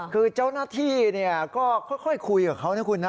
คือเจ้าหน้าที่ก็ค่อยคุยกับเขานะคุณนะ